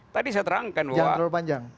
tadi saya terangkan bahwa